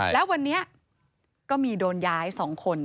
แล้ววันนี้ก็มีโดนย้าย๒คน